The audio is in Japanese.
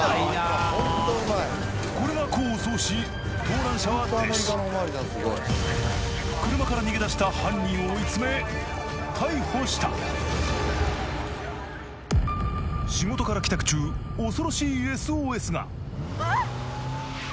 これが功を奏し盗難車は停止車から逃げ出した犯人を追いつめ逮捕した仕事から帰宅中恐ろしいＳＯＳがああっ！